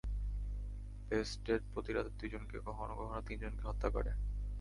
Lestat প্রতি রাতে দুইজনকে, কখনও কখনো তিনজনকে হত্যা করে।